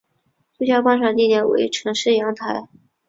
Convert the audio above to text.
最佳观赏地点为城市阳台。